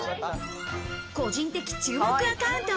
個人的注目アカウント。